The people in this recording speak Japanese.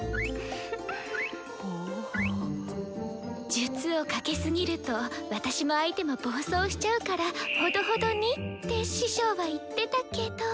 「術をかけすぎると私も相手も暴走しちゃうからほどほどに！」って師匠は言ってたけど。